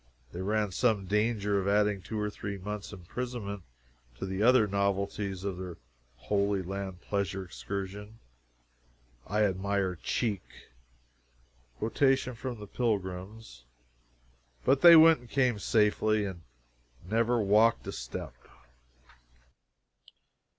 They ran some danger of adding two or three months' imprisonment to the other novelties of their Holy Land Pleasure Excursion. I admire "cheek." [Quotation from the Pilgrims.] But they went and came safely, and never walked a step.